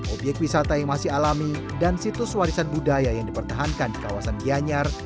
obyek wisata yang masih alami dan situs warisan budaya yang dipertahankan di kawasan gianyar